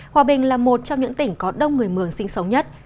hòa bình là một trong những tỉnh có đông người mường sinh sống nhất